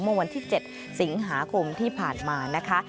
เมื่อวันที่๗สิงหาคมที่ผ่านมานะคะ